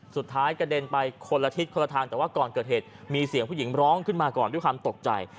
กระเด็นไปคนละทิศคนละทางแต่ว่าก่อนเกิดเหตุมีเสียงผู้หญิงร้องขึ้นมาก่อนด้วยความตกใจ